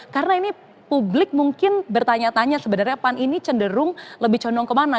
karena ini publik mungkin bertanya tanya sebenarnya pan ini cenderung lebih condong kemana